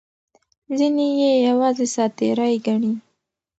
ځینې یې یوازې ساعت تېرۍ ګڼي.